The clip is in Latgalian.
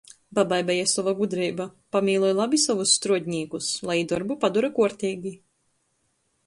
Babai beja sova gudreiba - pamīloj labi sovus struodnīkus, lai jī dorbu padora kuorteigi.